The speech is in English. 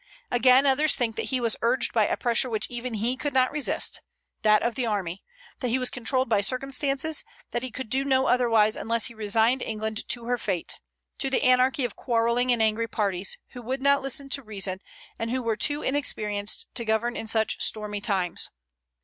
Again, others think that he was urged by a pressure which even he could not resist, that of the army; that he was controlled by circumstances; that he could do no otherwise unless he resigned England to her fate, to the anarchy of quarrelling and angry parties, who would not listen to reason, and who were too inexperienced to govern in such stormy times.